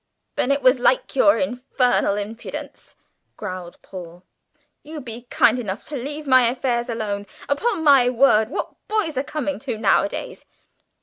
"Then it was like your infernal impudence," growled Paul. "You be kind enough to leave my affairs alone. Upon my word, what boys are coming to nowadays!"